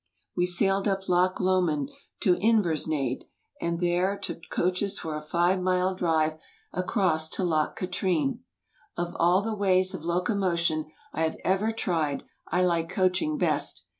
We sailed up Loch Lomond to Inversnaid and there ,,_,dbyCTOOgk' took coaches for a five mile drive across to Loch Katrine. Of all the ways of locomotion I have ever tried I like coaching best.